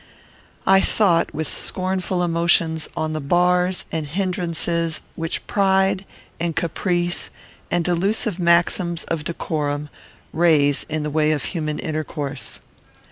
I thought, with scornful emotions, on the bars and hinderances which pride, and caprice, and delusive maxims of decorum, raise in the way of human intercourse.